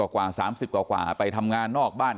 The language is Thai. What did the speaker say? กว่า๓๐กว่าไปทำงานนอกบ้าน